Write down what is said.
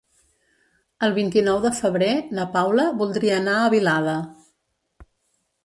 El vint-i-nou de febrer na Paula voldria anar a Vilada.